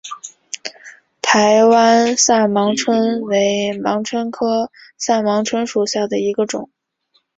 台湾萨盲蝽为盲蝽科萨盲蝽属下的一个种。